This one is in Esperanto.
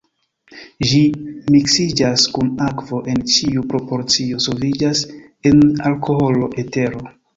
Ĝi miksiĝas kun akvo en ĉiu proporcio, solviĝas en alkoholo, etero.